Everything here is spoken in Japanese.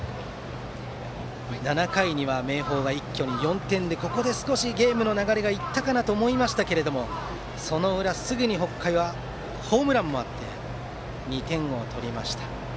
７回には明豊が一挙４点でここでゲームの流れが行ったかなと思いましたがその裏、すぐに北海はホームランもあって２点を取りました。